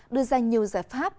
đưa ra nhiều giải pháp